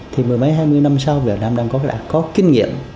thì mười mấy hai mươi năm sau việt nam đang có kinh nghiệm